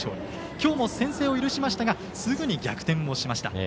今日も先制を許しましたがすぐに逆転をしました。